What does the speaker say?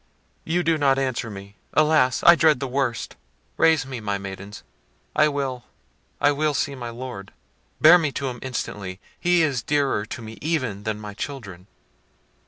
You do not answer me—alas! I dread the worst!—Raise me, my maidens; I will, I will see my Lord. Bear me to him instantly: he is dearer to me even than my children."